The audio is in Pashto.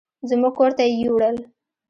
زموږ کور ته يې يوړل.